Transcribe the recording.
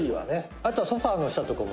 「あとはソファの下とかも。